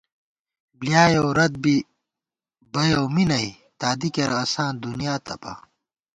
بۡلیائېؤ رت بی بَیَؤ می نئ، تادی کېرہ اساں کی دنیا تپا